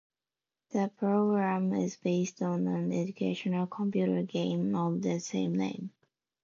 The program is based on an educational computer game of the same name.